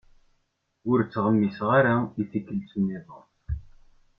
Ur ttɣemmiseɣ ara i tikkelt- nniḍen.